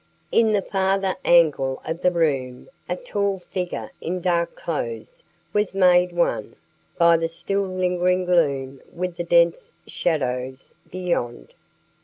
In the farther angle of the room a tall figure in dark clothes was made one, by the still lingering gloom, with the dense shadows beyond.